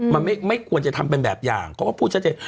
มันไม่ควรจะทำเป็นแบบอย่างเขาก็พูดชัดเจน